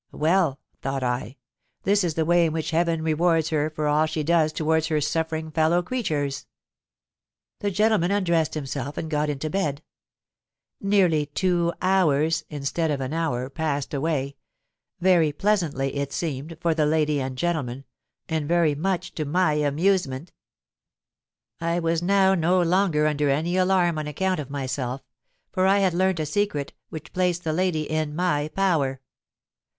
'Well,' thought I, 'this is the way in which heaven rewards her for all she does towards her suffering fellow creatures!' "The gentleman undressed himself, and got into bed. Nearly two hours, instead of an hour, passed away—very pleasantly, it seemed, for the lady and gentleman, and very much to my amusement. I was now no longer under any alarm on account of myself—for I had learnt a secret which placed the lady in my power.